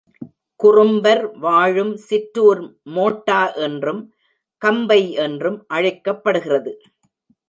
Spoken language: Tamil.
குறும்பர் வாழும் சிற்றூர் மோட்டா என்றும், கம்பை என்றும் அழைக்கப்படுகிறது.